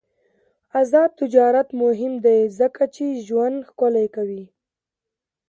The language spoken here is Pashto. آزاد تجارت مهم دی ځکه چې ژوند ښکلی کوي.